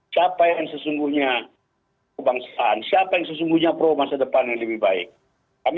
siapa yang sesungguhnya kebangsaan siapa yang sesungguhnya pro masa depan yang lebih baik kami